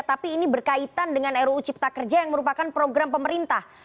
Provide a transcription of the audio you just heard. tapi ini berkaitan dengan ruu cipta kerja yang merupakan program pemerintah